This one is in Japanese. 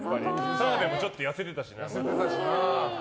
澤部もちょっと痩せてたし。